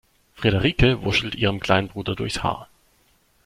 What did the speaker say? Frederike wuschelt ihrem kleinen Bruder durchs Haar.